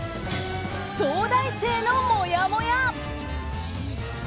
東大生の、もやもや。